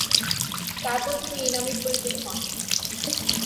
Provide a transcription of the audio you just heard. তারপর থেকে তিনি এ নামেই পরিচিত হন।